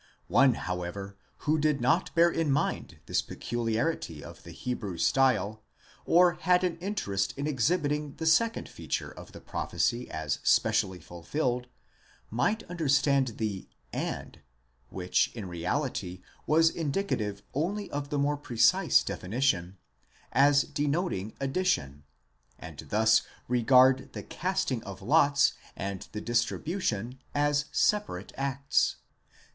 One however who did not bear in mind this peculiarity of the Hebrew style, or had an interest in exhibiting the second feature of the prophecy as specially fulfilled, might understand the and, which in reality was indicative only of more pre cise definition, as denoting addition, and thus regard the casting, of lots and the distribution as separate acts.